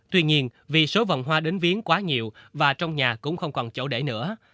tuy nhiên vì số vòng hoa đến viến quá nhiều và trong nhà cũng không còn chỗ để nữa